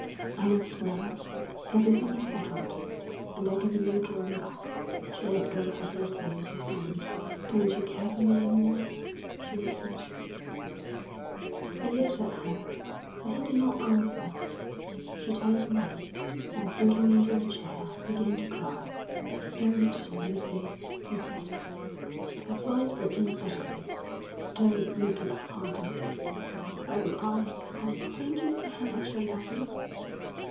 'I must now. Everything is settled, and there can be no drawing back.' She let go hopelessly of his hand. 'Don't you care for me any more?' she whispered. He looked at her, but he did not answer. She turned away, and sinking into a chair, began to cry. 'Don't, Lucy,' he said, his voice breaking suddenly. 'Don't make it harder.' 'Oh, Alec, Alec, don't you see how much I love you.'